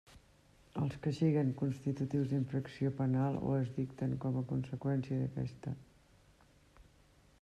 Els que siguen constitutius d'infracció penal o es dicten com a conseqüència d'aquesta.